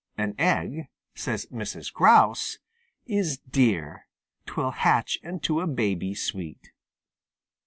"An egg," says Mrs. Grouse, "is dear; 'Twill hatch into a baby sweet."